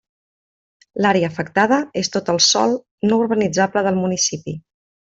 L'àrea afectada és tot el sòl no urbanitzable del municipi.